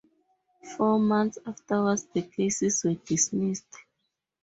Four months afterwards the cases were dismissed.